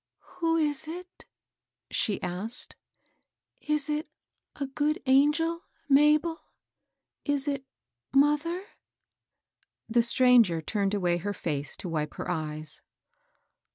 " Who is it ?" she asked. " Is it a good angel, Mabel ?— is it mother ?" The stranger turned away her face to wipe her eyes.